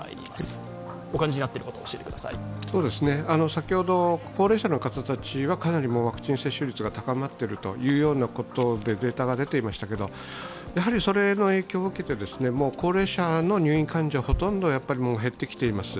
先ほど高齢者の方たちはかなりワクチン接種率が高まってるということでデータが出ていましたけど、やはりその影響を受けて高齢者の入院患者はほとんど減ってきています。